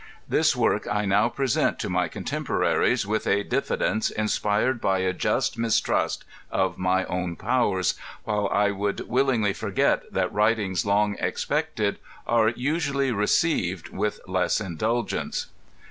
This work I now present to my cotemporaries with a diffidence inspired by a just mistrust of my own powers, while I would willingly forget that writings long expected are usually received with less indulgence.